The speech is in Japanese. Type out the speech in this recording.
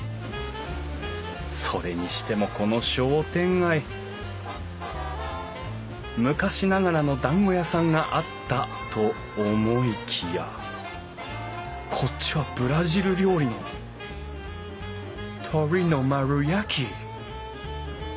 それにしてもこの商店街昔ながらのだんご屋さんがあったと思いきやこっちはブラジル料理の鶏の丸焼き！